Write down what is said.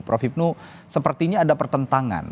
prof hipnu sepertinya ada pertentangan